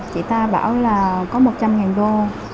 chị ta bảo là có một trăm linh đô